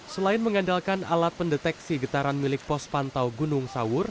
selain mengandalkan alat pendeteksi getaran milik pos pantau gunung sawur